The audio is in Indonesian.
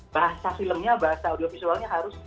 bahasa filmnya bahasa audio visualnya harus